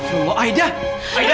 kenapa luas aku juga